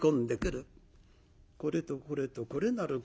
「これとこれとこれなる